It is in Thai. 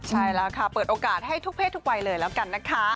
ใช่แล้วค่ะเปิดโอกาสให้ทุกเพศทุกวัยเลยแล้วกันนะคะ